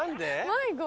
迷子？